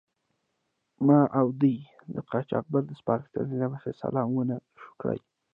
ما او دې د قاچاقبر د سپارښت له مخې سلام و نه شو کړای.